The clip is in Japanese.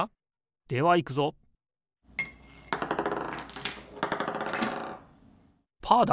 ではいくぞパーだ！